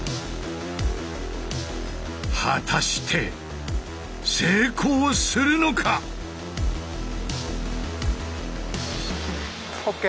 果たして成功するのか⁉ＯＫ！